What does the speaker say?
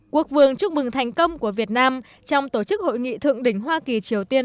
quốc vương chúc mừng thành công của việt nam trong tổ chức hội nghị thượng đỉnh hoa kỳ triều tiên